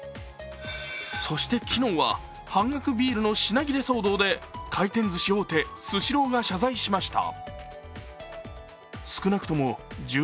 そして昨日は半額ビールの品切れ騒動で回転ずし大手・スシローが謝罪しました。